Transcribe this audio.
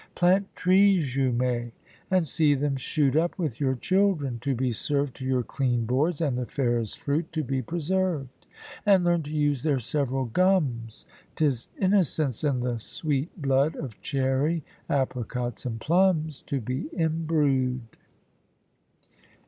Plant trees you may, and see them shoot Up with your children, to be served To your clean boards, and the fairest fruit To be preserved; And learn to use their several gums; 'Tis innocence in the sweet blood Of cherry, apricocks, and plums, To be imbrued.